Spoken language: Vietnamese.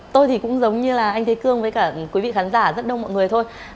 tôi thì cũng giống như là anh thế cương với cả quý vị khán giả rất đông mọi người thôi